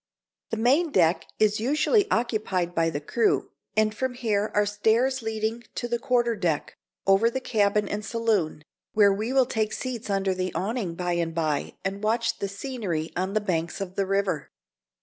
The main deck is usually occupied by the crew, and from here are stairs leading to the quarter deck, over the cabin and saloon, where we will take seats under the awning by and by, and watch the scenery on the banks of the river.